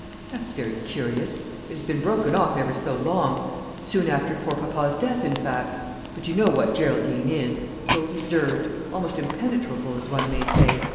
"That's very curious. It has been broken off ever so long soon after poor papa's death, in fact. But you know what Geraldine is so reserved almost impenetrable, as one may say.